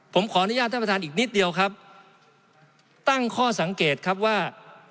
ผมขออนุญาตท่านประธานอีกนิดเดียวครับตั้งข้อสังเกตครับว่า